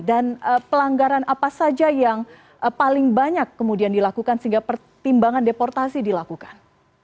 dan pelanggaran apa saja yang paling banyak kemudian dilakukan sehingga pertimbangan deportasi dilakukan